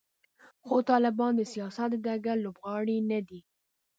خو طالبان د سیاست د ډګر لوبغاړي نه دي.